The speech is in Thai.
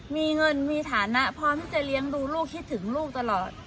มีเงินมีฐานะพร้อมที่จะเลี้ยงดูลูกคิดถึงลูกตลอด